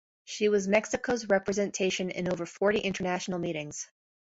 She was Mexico's representation in over forty international meetings.